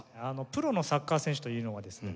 プロのサッカー選手というのはですね